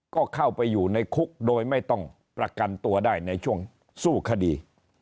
ก็เข้าไปอยู่ในคุกโดยไม่ต้องประกันตัวได้ในช่วงสู้คดี